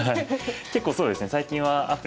結構そうですね最近はアプリで。